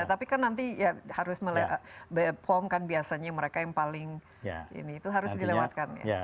tapi kan nanti harus memperomkan biasanya mereka yang paling ini itu harus dilewatkan